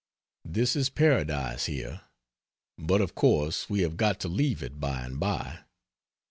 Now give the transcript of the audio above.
This is paradise, here but of course we have got to leave it by and by.